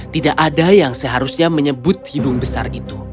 tidak ada yang seharusnya menyebut hidung besar itu